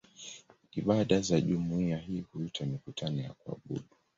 Ibada za jumuiya hii huitwa "mikutano ya kuabudu".